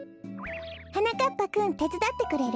はなかっぱくんてつだってくれる？